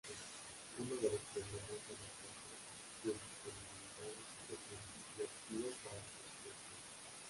Uno de los problemas es la escasa biodisponibilidad del principio activo para su absorción.